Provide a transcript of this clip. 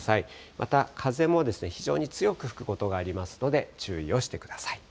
また、風も非常に強く吹くことがありますので、注意をしてください。